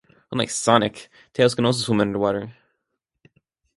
Unlike Sonic, Tails can also swim underwater.